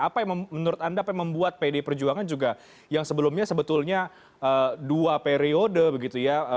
apa yang menurut anda apa yang membuat pdi perjuangan juga yang sebelumnya sebetulnya dua periode begitu ya